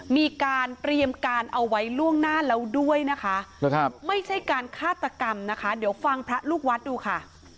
มีการเตรียมการเอาไว้ล่วงหน้าแล้วด้วยนะคะไม่ใช่การฆาตกรรมนะคะเดี๋ยวฟังพระลูกวัดดูค่ะ